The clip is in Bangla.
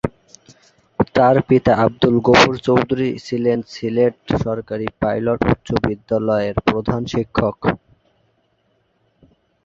তার পিতা আব্দুল গফুর চৌধুরী ছিলেন সিলেট সরকারি পাইলট উচ্চ বিদ্যালয়ের প্রধান শিক্ষক।